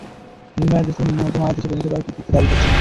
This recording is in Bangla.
নিম্ন আয়ের দেশ থেকে নিম্নমধ্যম আয়ের দেশে পরিণত করার কৃতিত্ব দাবি করছে।